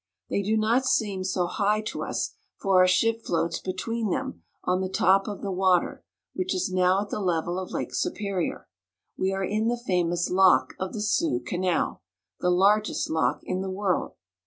They do not seem so high to us, for our ship floats between them on the top of the water, which is now at the level of Lake Superior. We are in the famous lock of the '' Soo " Canal, the largest lock in the world.